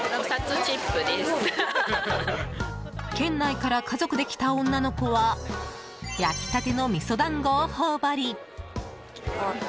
県内から家族で来た女の子は焼きたてのみそだんごを頬張り。